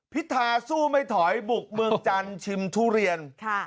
พิธาสู้ไม่ถอยบุกเมืองจันทร์ชิมทุเรียน